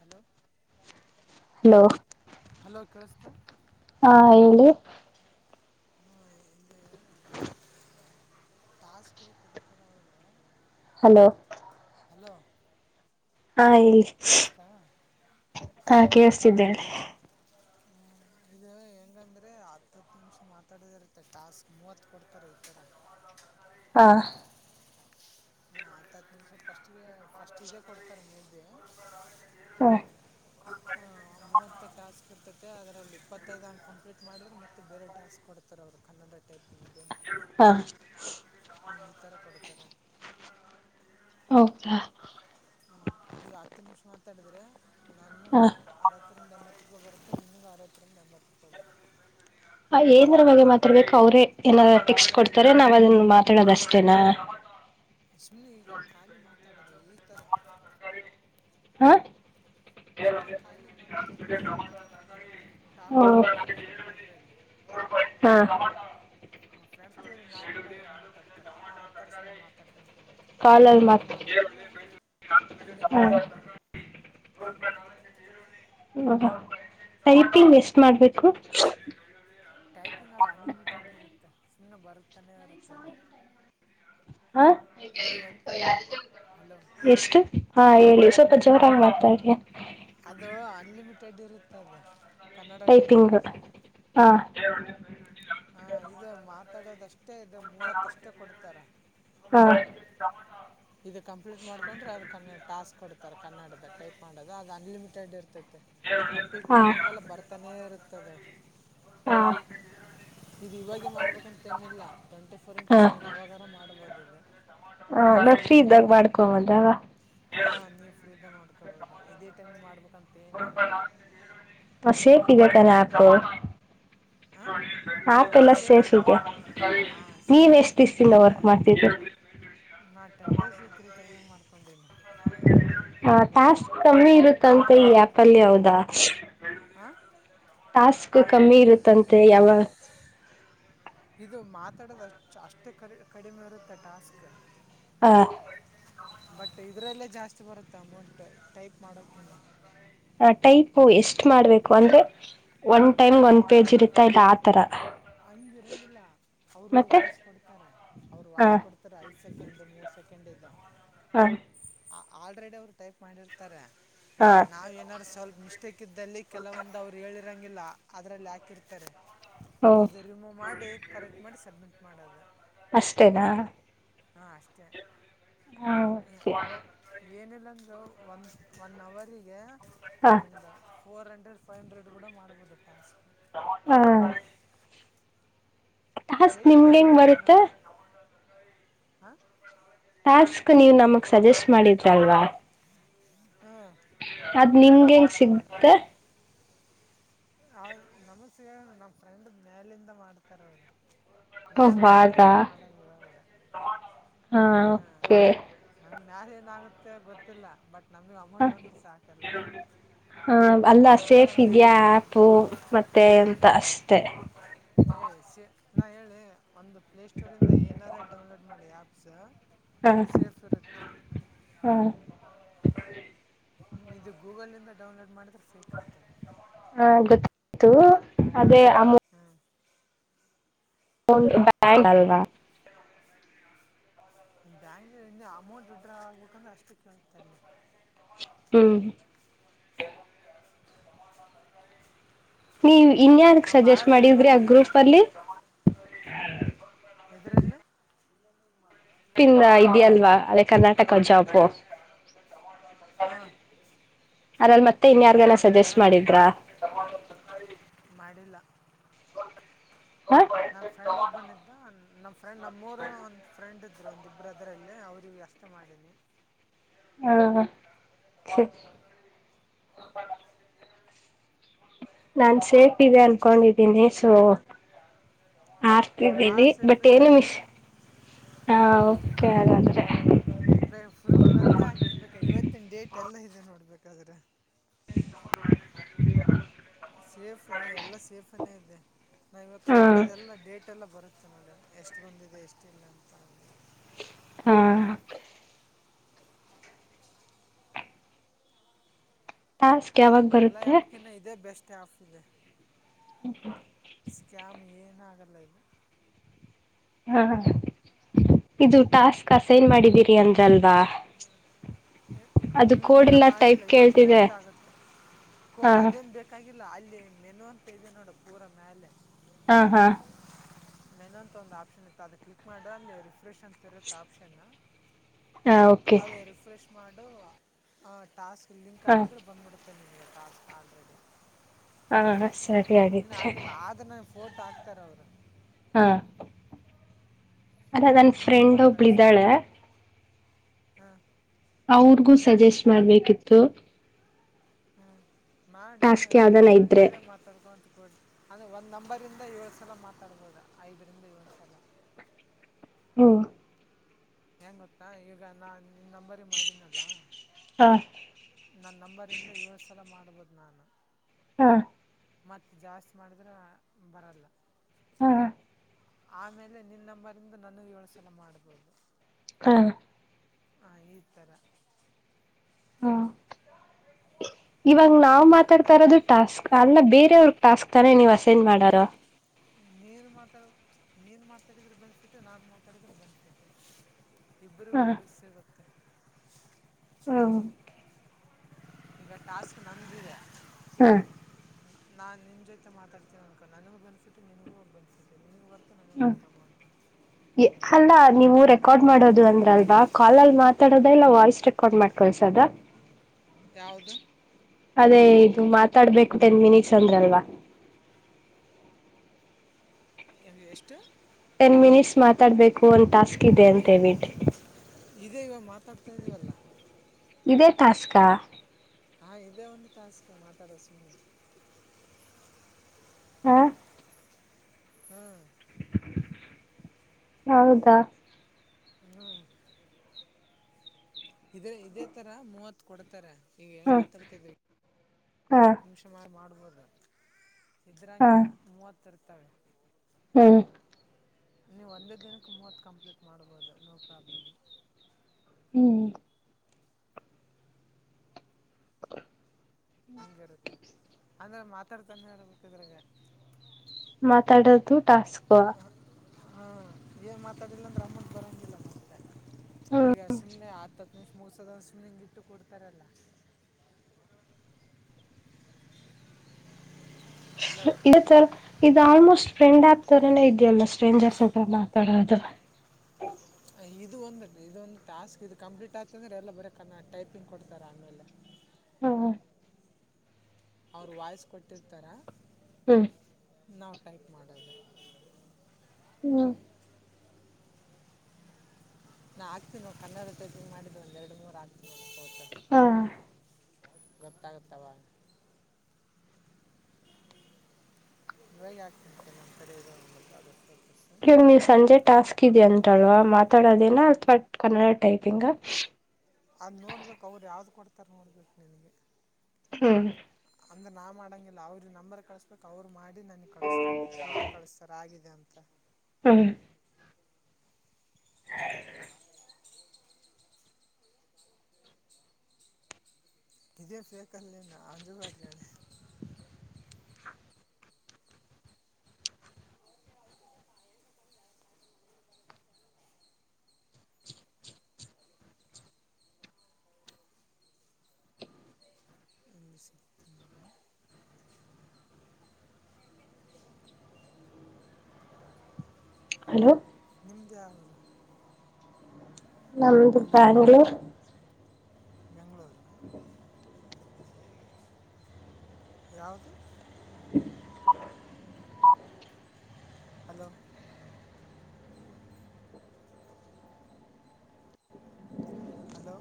Hello hello hello ಕೇಳಿಸತ [unintelligible] ಹಾ ಹೇಳಿ ಹ್ಮ ಇಲ್ಲಿ ಟಾಸ್ಕ್ ಕೊಡ್ತಾರೆ ಅವರು ಹಲೋ ಹಲೋ ಹಾ ಹೇಳಿ ಕೇಳಿಸ್ತಾ ಆ ಕೇಳಿಸ್ತಿದೆ ಹೇಳಿ ಹ್ಮ್ ಇ ಹೆಂಗಂದ್ರೆ ಹತ್ ಹತ್ತು ನಿಮಿಷ ಮಾತಾಡದ ಇರುತ್ತೆ ಟಾಸ್ಕ್ ಮೂವತ್ ಕೊಡ್ತಾರ ಈತರ ಹಾ ಹಾ ಹತ್ ಹತ್ ನಿಮ್ಷ ಫಸ್ಟ್ಿಗೆ ಫಸ್ಟ್ ಹಜ ಕೊಡ್ತಾರೆ ಮೇದ್ದೆ ಹಾ ಮೂವತ್ತು ಟಾಸ್ಕ್ ಇರ್ತತೆ ಅದರಲ್ಲಿ ಇಪ್ಪತ್ತೈದು ಹ ಕಂಪ್ಲೀಟ್ ಮಾಡಿದ್ರೆ ಮತ್ತೆ ಬೇರೆ ಟಾಸ್ಕ್ ಕೊಡ್ತಾರೆ ಅವರು ಕನ್ನಡ ಟೈಪಿಂಗು ಹಾ ಈ ಥರ ಕೊಡ್ತಾರೆ ಹೌದಾ ಹ್ಮ್, ಈಗ ಹತ್ತು ನಿಮಿಷ ಮಾತಾಡಿದರೆ ನನಗೂ ಹಾ ಅರತ್ತರಿಂದ ಎಂಬತ್ತು ರೂಪಾಯಿ ಬರುತ್ತೆ ನಿಮಗೂ ಆರವತ್ತು ಅ ನಂಬಟ್ಟ ತೋಗಬೇಕ ಏನ್ರ ಬಗ್ಗೆ ಮಾತಾಡ್ಬೇಕು ಅವ್ರೇ ಏನಾದ ಟೆಕ್ಸ್ಟ್ ಕೊಡ್ತಾರೆ ನಾವ ಅದನ್ ಮಾತಾಡೋದ ಅಷ್ಟೇನಾ ಸುಮ್ನೆ ಈಗ ಖಾಲಿ ಮಾತಾಡ ನಗೆ ಈ ಥರ ಹಾ ಸುಮ್ನೆ ಖಾಲಿ ಮಾತಾಡದು ಏನಾರ ಟಾಪಿಕ್ ಹಂಗೇನ ಇರಂಗಿಲ್ಲ ಇದ್ರಲ್ಲಿ ಹಾ ಫ್ರಂಡ್ಸ್ ಜೋಡಿ ನಾರ್ಮಲ್ ಆಗ ಹೆಂಗ ಮಾತಾಡ್ತಾರ ಆ ತರಿಸಸು ಮಾತಾಡ್ತ ಕೊಡೋದು ನಾರ್ಮಲ್ ಕಾಲಲ್ಲಿ ಕಾಲ್ ಮಾತ್ ಮಾಡೋ ಬದಲು ಇಲ್ಲಿ ಹಾ ಮಾತಾಡ್ಬೋದು ಹ ತಿ ಎಷ್ಟ ಮಾಡ್ಬೇಕು ಟೈಪಿಂಗ್ ಅದು ಅನ್ಲಿಮಿಟೆಡ್ ಇರುತ್ತೆ ಸುಮ್ಮನೆ ಬರುತ್ತೆ ಹ ಇದು ಒಂದು ಹಲೋ ಎಷ್ಟು ಹಾ ಹೇಳಿ ಸ್ವಲ್ಪ ಜೋರಾಗಿ ಮಾಡ್ತಾ ಇದ್ರಿ ಅದು ಅನ್ಲಿಮಿಟೆಡ್ ಇರುತ್ತದು ಕನ್ನಡ ಟೈಪಿಂಗ್ ಹಾ ಟೈಪಿಂಗ್ದ ಹಾ ಹ ಇದು ಮಾತಾಡೋದಷ್ಟೇ ಇ ಮೂವತ್ತಷ್ಟೇ ಕೊಡ್ತಾರ ಹ ಇದದು ಕಂಪ್ಲೀಟ್ ಮಾಡ್ಕೊಂಡ್ರೆ ಅದ ಟಾಸ್ಕ್ ಕೊಡ್ತ ಈಥರ ಕನ್ನಡದ ಟೈಪ್ ಮಾಡೋದು ಅದು ಅನ್ಲಿಮಿಟೆಡ್ ಇರ್ತದೆ ಮ ನೀವು ಕಂಪ್ಲೀಟ್ ಹಾ ಮಾಡಿದಂಗೆಲ್ಲ ಬರ್ತಾನೇ ಇರುತ್ತದೆ ಹಾ ಇದು ಇವಾಗೆ ಮಾಡ್ಬೇಕಂತ ಏನಿಲ್ಲ ಟ್ವೆಂಟಿ ಫೋರ್ ಇಂಟು ಸೆವೆನ್ ಯಾಗಾರ ಮಾಡಬಹದು ಅನ [inaudible] ಹ ನೀವ ನಾ ಫ್ರೀ ಇದ್ದಾಗ ಮಾಡ್ಕೊಂಬಂದಾಗ ಹ ನೀವ್ ಫ್ರೀ ಇದ್ದ ಮಾಡ್ಕ [unintelligible] ಬ ಇದೇ ಮಿ ಮಾಡ್ಬೇಕು ಹ ಸಗೆೆ ತಲ್ಲ ಹೌ ಹ ಹ ಸೇಫ್ ಇದೆ ಹ ನೀವ್ ಸೇಫ್ ಇದೆ ಎಷ್ಟ್ ದಿವಸದಿಂದ ಈತ ವರ್ಕ್ ಮಾಡ್ತಿದ್ರಿ ನಾ ಟೆನ್ ಡೇಸ್ ತೌಸ್ ಮಾಡ್ತ ಹ ಾಸ್ ಕಮ್ಮಿ ಇರುತ್ತಂತೆ ಈ ಆ್ಯಪಲ್ಲಿ ಯಾವದಾ ಹಾಂ ಾಸ್ಕ್ು ಕಮ್ಮಿ ಇರುತ್ತಂತೆ ಯಾವ ಇದು ಮಾತಾಡೋದುಷ್ಟ ಅಷ್ಟೇ ಕ ಕಡಿಮೆ ಇರುತ್ತೆ ಟಾಸ್ಕ್ ಹಾ ಬಟ್ ಇದ್ರಲ್ಲೇ ಜಾಸ್ತಿ ಬರುತ್ತೆ ಅಮೌಂಟ್ ಟೈಪ್ ಮಾಡೋಕಿನ್ನ ಹ ಟೈಪು ಎಷ್ಟ ಮಾಡ್ಬೇಕು ಅಂದ್ರೆ ಒನ್ ಟೈಮ್ ಒಂದ್ ಟೈಪ್ ಪೇಜ್ ಇರುತ್ತಾ ಇಲ್ಲ ಆತರ ಹಂಗಿರಂಗಿಲ್ಲ ಅವರು ಮತ್ತೆ ವಾಯ್ಸ್ ಕೊಡ್ತಾರೆ ಅವ್ರು ಹ ವಾಯ್ಸ್ ಕೊಡ್ತಾರೆ ಐದು ಸೆಕೆಂಡ್ ಮೂರ್ ಸೆಕೆಂಡ್ ಇದ್ದ ಹಾ ಆಲ್ರೆಡಿ ಅವ್ರು ಟೈಪ್ ಮಾಡಿರ್ತಾರ ಹಾ ನಾವ್ ಏನಾದಾರ ಸ್ವಲ್ಪ ಮಿಸ್ಟೇಕ್ ಇದ್ದಲ್ಲಿ ಕೆಲವೊಂದು ಅವ್ರು ಹೇಳಿ ಇಂಗಿಲ್ಲ ಅದರಲ್ಲಿ ಹಾಕಿರ್ತಾರೆ ಓ ಅದೇ ರಿಮೂವ್ ಮಾಡಿ ಕರೆಕ್ಟ್ ಮಾಡಿ ಸಡ್ಮಿಂಟ್ ಮಾಡೋದು ಅಷ್ಟೇನಾ ಹಾ ಅಷ್ಟೇ ಹಾ ಏ- ಕೆ ಒ- ಏನಿಲ್ಲ ಅಂದರೂ ಒನ್ ಒನ್ ಅವರಿಗೆ ಹ ಒಂದ ಫೋರ್ ಹಂಡ್ರೆ ಫೈವ ಹಂಡ್ರೆಡ್ ಕಡ ಮಾಡಬೋದು ಟಾಸ್ಕ್ ಹಾ ಹಸ್ತ್ ನಿಮ್ಗೆ ಹೆಂಗ್ ಬರುತ್ತೆ ಹಾ ಟಾಸ್ಕ್ ನೀವು ನಮಗ್ ಸಜೆಸ್ಟ್ ಮಾಡಿದ್ರಲ್ವಾ ಅದ್ ನಿಮ್ಗೆೇಂಗ ಸಿಗ್ತೆ ಹ ನಮಸ್ ನಮ್ ಫ್ರೆಂಡ ಮೇಲಿಂದ ಮಾಡ್ತಾರ ಅವರು ಓ ನಾನ್ ನಿಮ ಹಾಗ ತರನ ಮಾಡದು ಇವಾಗಡೆ ಹಾ ಓಕೆ ಹ್ಮ ಮ್ಯಾರ ಏನಾಗುತ್ತೆ ಗೊತ್ತಿಲ್ಲ ಬಟ್ ನಮಗೆಗ್ ಅಮೌಂಟ್ ಹ ಬಂದ್ಬಿಟ್ಟ ಸಾಕಲ್ಲ ಅವ್ರ ಏನ ಯಾರ ಮಾಡತ ಉಪ್ಪೂ ಮತ್ತೆ ಎಂತ ಅಷ್ಟೆ ಏ್ ಸಿ ನಾ ಹೇಳಿ ಒಂದು ಪ್ಲೇ ಸ್ಟೋರ್ ಇಂದ ಏನಾರ ಡೌನ್ಲೋಡ್ ಮಾಡಿ ಆಪ್ಸ್ ಹ ಸಫ ರತ ಹ ಇದು ಗೂಗಲ್ ಇಂದ ಡೌನ್ಲೋಡ್ ಮಾಡಿದ್ರೆ ಸಿಕುತ್ತ ತೂ ಅದೇ ಆ ಮು [unintelligible] ಆಲ್ವಾ ಬ್ಯಾಂಕ್ ಇನ್ನ ಅಮೌಂಟ್ ವಿಥ್ ಡ್ರಾ ಆಗ್ಬೇಕಂದ್ರೆ ಅಷ್ಟು ಕೇಳುತ್ತಲ್ಲಿ. ಹ್ಮ ನೀವ್ ಇನ್ಯಾರಿಗ್ ಹಾಂ ಭಾಳ ಸಜೆಸ್ಟ್ ಜನ ಮಾಡಿದ್ರಿ ಇವಾಗ ಆ ಮಾಡ್ ಗ್ರೂಪ್ ಅಲ್ಲಿ [unintelligible] ಎದ್ರಲ್ಲಿ ತಿ ಇದ್ಯಲ್ವಾ ಅದೇ ಕರ್ನಾಟಕ ಜಾಬು ಹಾ ಅದ್ರಲ್ ಮತ್ತೆ ಇನ್ಯಾ ನ ಸಜೆಸ್ಟ್ ಮಾಡಿದ್ರಾ? [unintelligible] ಮಾಡಿಲ್ಲ. ಹ ನನ್ ಫ್ರೆಂಡ್ ಒಬ್ಬನ ಇದ್ದ ನಮ್ ಫ್ರೆಂಡ್ ನಮ್ಮೂರನ್ ಒಂದು ಫ್ರೆಂಡ್ ಇದ್ ಅದ್ರ ಒಂದು ಇಬ್ಬ್ರ ಅದರಲ್ಲೇ ಅವ್ರ ಇವ್ ಅಷ್ಟೇ ಮಾಡಿನಿ. ಹಾ ಹಾ ನಾನ್ ಸೇಫ್ ಇದೆ ಅನ್ಕೊಂಡಿದ್ದೀನಿ ಸೊ ಭಾಳ ಹಾಕಿದೀನಿ ಸೇಫ್ ಬಟ್ ಇದೆ ಏನು ವಿಶ್ ಹಾ ಓಕೆ ಹಾಗಾ ಬ ಪ್ರೂಫ ನಂದ ಹಾಕ್ತಿನ್ ಬೇಕ ಇವತ್ತಿನ್ ಡೇಟ್ ಎಲ್ಲ ಇದೆ ನೋಡ್ಬೇಕಾದ್ರೆ ಸೇಫ್ ಎಲ್ಲಾ ಸೇಫನೇ ಇದೆ. ನಾ ಇವತ್ ಹಾ ಮಾಡೋದೆಲ್ಲ ಡೇಟ್ ಎಲ್ಲ ಬರು ತ್ತು ನೋಡ ಎಷ್ಟು ಬಂದಿದೆ ಎಷ್ಟಿಲ್ಲ ಅಂತ. ಹಾ ಟಾಸ್ ಕ್ ಯಾವಾಗ ಬರುತ್ತೆ? ಟೆ ಆಫ್ ಇದೆ. ಹ್ಮ್ ಹ್ಮ್ ಸ್ಕ್ಯಾಮ್ ಏನಾಗಲ್ಲ ಇದ್. ಹಾ ಇದು ಟಾಸ್ಕ್ ಅಸೈನ್ ಮಾಡಿದ್ದೀರಿ ಅಂದ್ರಲ್ವಾ? ಅದು ನಿಮ್ ಕೋಡ್ ದಿನ್ನ ಎಲ್ಲ ಮಾಡಿಲ್ಲ ಟೈಪ್ ಇವತ್ತು ಕೇಳ್ತಿದೆ ನೈಟ್ ಆಗುತ್ತೆ ಕೋ ಹಾ ಅದೇನ್ ಬೇಕಾಗಿ ಲ್ಲ ಅಲ್ಲಿ ಮೆನು ಅಂತ ಇದೆ ನೋಡು ಪೂರ ಮ್ಯಾಲೆ ಹಾ ಹಾ ಮೇನು ಅಂತ ಒಂದು ಆಪ್ಷನ್ ಇತ್ತ ಅದ ಕ್ಲಿಕ್ ಮಾಡ್ರ ನೀವು ರಿಫ್ರೆಶ್ ಅಂತ ಇರುತ್ತೆ ಆಪ್ಷನ್ ಹಾ ಓಕೆ. ಮಾಡವ್ವ ಹ ಟಾಸ್ ಹಾ ಇಲ್ಲಿಕ್ಗಿದ್ರ ಬ್ಬಿತು ಚನ್ನ ನೀ ಪಾಸ್ ಆಲ್ರೆಡಿ ಹಾ ಸರಿಯಗಿದ್ರೆ ವ್ ಟ್ ಹಾಕ್ತಾರ ಅವರು ಹಾ ಅದ ನನ್ ನಿನ್ನ ಫ್ರೆಂಡ್ ಒಬ್ಳ ಇದ್ದಾಳೆ ಹಾ ಅವ್ರಿಗೂ ಸಜೆಸ್ಟ್ ಮಾಡ್ಬೇಕಿತ್ತು ಹ್ಮ ಮಾಡು ಟಾಸ್ಕ್ ನಿಮ್ಮ್ ಯಾವ್ದನ ಫ್ರೆಂಡ್ ಇದ್ರೆ ಜೋಡೆ ಮಾತಾಡ್ಕಂತ ಅ ಒಂದ್ ನಂಬರಿಂದ ಏಳು ಸಲ ಮಾತಾಡ್ಬೋದ ಐದರಿಂದ ಏಳು ಸಲ ಹಓ ಹೆಂಗ ಗೊತ್ತಾ ಈಗ ನಾ ನಿನ್ ನಂಬರಿ ಮಾಡಿನಲ್ಲ ಹಾ ನನ್ ನಂಬರಿಂದ ಏಳ ಸಲ ಮಾಡ ಮಾಡಬದ ನು ಹಾ ಮತ್ತ ಜಾಸ್ತಿ ಮಾಡಿದ್ರ ಬರಲ್ಲ ಹಾ ಆಮೇಲೆ ನಿನ್ನಂಬರಿಂದ ನನಗ ಇಏಳು ಸಲ ಮಾಡ್ಬೋುದು ಹಾ ಹಾ ಈ ತರ ಹಾ ಇವಾಗ ನಾವು ಆಮೇಲೆ ಮಾತಾಡ್ತಾ ಇರೋದು ಟಾಸ್ಕ್ ಅಲ್ಲ ಬೇರೆಯವ್ರಗ್ ಟಾಸ್ಕ್ ತಾನೇ ನೀವು ಅಸೆಂಡ್ ಮಾಡೋದು ನೀನ್ ಮಾತಾಡ ನೀನ್ ಮಾತಾಡಿದ್ರೆ ಬೆನ್ಫಿಟ್ ನಾನನ್ ಮಾತಾಡಿದ್ರೆ ಬೆನ್ಫಿಟ ಇಬ್ಬರಿಗ ಒಬ್ಬಸ್ ಸಿಗತ್ತೆ ಹಾ ಈಗ ಟಾಸ್ಕ್ ನಮ್ದಿದೆ ಹಾ ನಾನ್ ನಿಂಜೊತೆ ಮಾತಾಡ್ತೀವಿ ಅನ್ಕ ನನಗೂ ಬೆನಿಟ್ ನಿನಗೂ ಬೆನಿಫಿಟ್ ಇದೆ ನೋಡ್ ಹ ಅಲ್ಲ ನೀವು ರೆಕಾರ್ಡ್ ಮಾಡೋದು ಅಂದ್ರಲ್ವಾ ಕಾಲಲ್ಲಿ ಮಾತಾಡದ ಇಲ್ಲ ವಾಯ್ಸ್ ರೆಕಾರ್ಡ್ ಮಾಡ್ಕೊಳ್ಸದ ಯಾವುದು ಅದೇ ನೀ ಮಾತಾಡ್ಬೇಕು ಟೆನ್ ಮಿನಿಟ್ಸ್ ಅಂದ್ರಲ್ವಾ ಎದು ಎಷ್ಟು ಟೆನ್ ಮಿನಿಟ್ಸ್ ಮಾತಾಡ್ಬೇಕು ಒಂದ ಟಾಸ್ಕ್ ಇದೆ ಅಂತ ಹಾಂ ಹೇಳಬಿಟಿ ಇದೇ ಇವಾಗ ಮಾತಾಡ್ತಾ ಇದೀವಲ್ಲ ಇದೇ ಟಾಸ್ಕಾ ಹಾ ಇದೇ ಒಂದು ಟಾಸ್ಕ್ ಮಾತಾಡೋ ಸುಮ್ಮನೆ ಹಾ ಹ್ಮ್ ಹೌದಾ ಹ್ಮ [unintelligible] ಇದೇ ಇದೇ ತರ ಮೂವತ್ ಕೊಡ್ತಾರೆ ಈಗ ಹೆಂಗ್ ಹಾ ಮಾತಾಡ್ತಾ ಇದ್ವಿ ಹಾ ನಿಮಿಷ ಮಾಡ್ ಮಾಡು ದ [inaudible] ಇದ್ರಂಗ್ಯ ಮೂವತ್ ಹ್ಮ ನೀವು ಒಂದೇ ದಿನಕ್ಕೆ ಮೂವತ್ತು ಕಂಪ್ಲೀಟ್ ಮಾಡ್ಬೋದು ನೋ ಪ್ರಾಬ್ಲಮ್ ಹ್ಮ್ [inaudible] ಹಂಗಿರುತ್ತೆ [inaudible] ಅಂದ್ರೆ ಮಾತಾಡ್ತಾನೆ ಇರ್ಬೇಕಿದ್ರಾಗ ಮಾತಾಡೋದು ಟಾಸ್ಕ್ ಹ್ಮ ಏನ್ ಮಾತಾಡಿಲ್ಲ ಅಂದ್ರೆ ಅಮೌಂಟ್ ಬರಂಗಿಲ್ಲ ಹ್ಮ್ ಈಗ ಸುಮ್ನೆ ಆತ ಮ ಮುಗಸದೊಂದು ಸ್ನಿಂಗ್ ಇಟ್ಟು ಕೊಡ್ತಾರಲ್ಲ ಅಲ್ಲ ಇದ ಸರ್ [unintelligible] ಇದು ಆಲ್ಮೋಸ್ಟ್ ಫ್ರೆಂಡ್ ಆಪ್ ತರನೇ ಇದೆಯಲ್ಲ ಸ್ಟ್ರೇಂಜರ್ಸ್ ಅತ್ರ ಮಾತಾಡೋದು ಇದು ಒಂದು ಇದೊಂದು ಟಾಸ್ಕ್ ಇದು ಕಂಪ್ಲೀಟ್ ಆಗ್ತ ಅಂದ್ರೆ ಎಲ್ಲ ಬರಕ್ ಟೈಪಿಂಗ್ ಕೊಡ್ತಾರೆ ಆಮೇಲೆ ಹಾ ಅವ್ರ ವಾಯ್ಸ್ ಕೊಟ್ಟಿರ್ತಾರ ಹ್ಮ ನಾವ್ ಟೈಪ್ ಮಾಡದು ಹ್ಮ್ ನಾ ಆಗ್ತೀನಿ ನ ಕನ್ನಡ ಟೈಪಿಂಗ್ ಮಾಡಿದ್ ಒಂದೆರಡು ಮೂರು ಆಗ್ತೀನಿ ಹಾ ಗೊತ್ತಾಗುತ್ ಅವಾಗ ಹೇಗ್ ಆಗ್ತಂತೆ ನಮ್ಮ ಕಡೆ ಅ [inaudible] [unintelligible] ಇವಾಗ ನೀವ್ ಸಂಜೆ ಟಾಸ್ಕ್ ಇದ ಅಂತಲ್ವ ಮಾತಾಡೋದೇನಾ ಅಥವಾ ಕನ್ನಡ ಟೈಪಿಂಗ ಅದು ನೋಡ್ಬೇಕು ಅವ್ರು ಯಾವ್ದು ಕೊಡ್ತಾರೆ ನೋಡ್ಬೇಕು ನಿಮ್ಗೆ ಹು ಅಂದ್ರ ನಾ ಮಾಡಂಗಿಲ್ಲ ಅವ್ರ ನಂಬರ್ ಕಳಸ್ಬೇಕ್ ಅವ್ರು ಮಾಡ್ ನನಿಗ್ ಕಳಿಸ್ತಾರೆ ಫೋಟೋ ಕಳಿಸ್ತಾರೆ ಆಗಿ ಜಂತ ಹ್ಮ ನಿಜೆ ಸೇಕಲ್ಲ ಅಜುಬತಣ [unintelligible] ಉ ಸ [inaudible] ಹಲೋ ನಿಮ್ದ್ ಯಊರು ನಮ್ದು ಬ್ಯಾಂಗ್ಳೂರ್ ಬೆಂಗ್ಳೂರ್ ಹ [inaudible] ಯವುದು ಹಲೋ ಹಲೋ